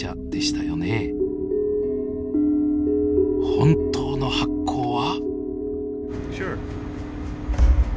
本当の発光は？